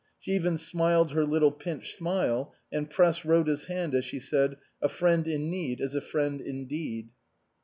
She even smiled her little pinched smile and pressed Rhoda's hand as she said, " A friend in need is a friend indeed."